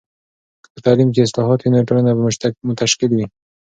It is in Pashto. که په تعلیم کې اصلاحات وي، نو ټولنه به متشکل وي.